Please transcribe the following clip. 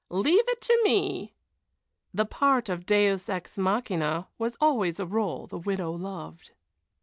Leave it to me!" The part of Deus ex machina was always a rôle the widow loved.